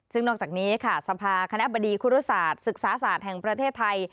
ซึ่งนอกจากนี้ค่ะสภาคณะบดีคุรุศาสตร์ศึกษาศาสตร์แห่งประเทศไทย